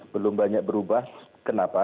belum banyak berubah kenapa